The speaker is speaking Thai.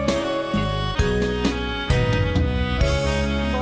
โอ้นะครับ